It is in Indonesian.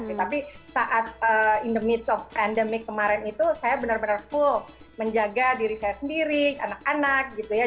tapi saat in the meets of endemic kemarin itu saya benar benar full menjaga diri saya sendiri anak anak gitu ya